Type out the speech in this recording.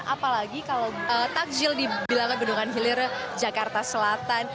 apalagi kalau takjil di bilangan bendungan hilir jakarta selatan